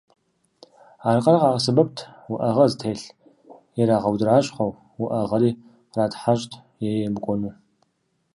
Аркъэр къагъэсэбэпт уӏэгъэ зытелъыр ирагъэудэращхъуэу, уӏэгъэри къратхьэщӏт е емыкӏуэну.